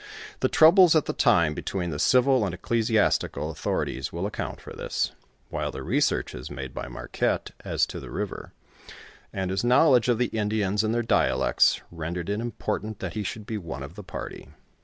The troubles at the time between the civil and ecclesiastical authorities will account for this, \A\i\o. the researches made by Mnrquette as to tiio river, and his knowledge of the Indians and their dialects, rendered it im portant that he should be one of the party.